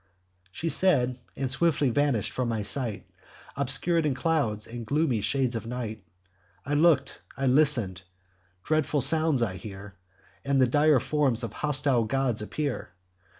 She said, and swiftly vanish'd from my sight, Obscure in clouds and gloomy shades of night. I look'd, I listen'd; dreadful sounds I hear; And the dire forms of hostile gods appear.